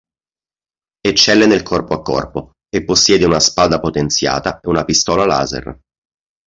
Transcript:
Eccelle nel corpo a corpo e possiede una spada potenziata e una pistola laser.